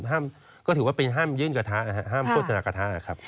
ก็ถือว่าเป็นห้ามยื่นกระทะห้ามโฆษณากระทะครับ